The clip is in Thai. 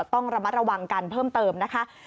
ต้องระมัดระวังกันเพิ่มเติมนะคะ